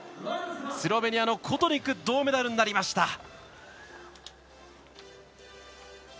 スロベニアのコトニクが銅メダルになりました。